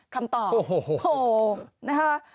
คำต่อโฮโฮโฮนะคะ